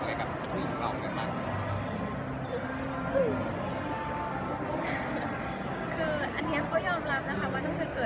เพราะเป็นหนึ่งคือบรินักและการที่ผ่านมันมาได้มันก็ไม่ง่ายเลย